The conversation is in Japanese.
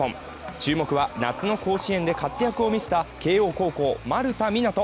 注目は夏の甲子園で活躍を見せた慶応高校の丸田湊斗。